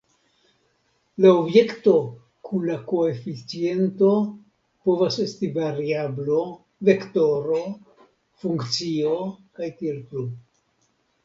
La objekto kun la koeficiento povas esti variablo, vektoro, funkcio, kaj tiel plu.